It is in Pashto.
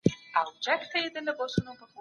داستاني اثر تر هغو خبرو مهم دئ چي نورو پرې کړي دي.